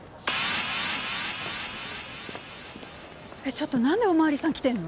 ちょっと何でおまわりさん来てんの？